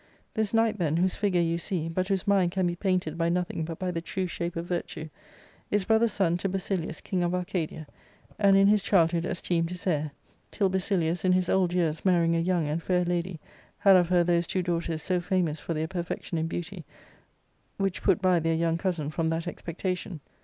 This knight, then, whose figure you see, but whose mind can be painted by nothing but by the ^^^\/^A^ shape of virtue, is brother*s son to Basilius, king of Arcadia, ^"^^ and in his childhood esteemed his heir, till Basilius, in his old years marrying a young and fair lady, had of her those two daughters so famous for their perfection in beauty, which put by their young cousin from that expectation.